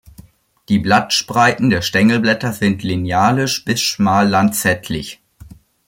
Die Blattspreiten der Stängelblätter sind linealisch bis schmal lanzettlich.